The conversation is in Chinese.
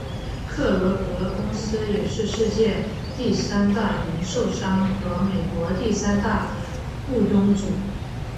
克罗格公司也是世界第三大零售商和美国第三大雇佣主。